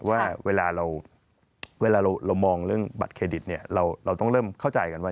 ว่าเวลาเราเวลาเรามองเรื่องบัตรเครดิตเนี่ยเราต้องเริ่มเข้าใจกันว่า